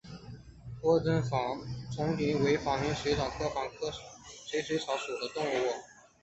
披针纺锤水蚤为纺锤水蚤科纺锤水蚤属的动物。